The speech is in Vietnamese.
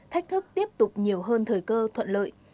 thách thức tiếp tục nhiều hơn thời cơ thuận lợi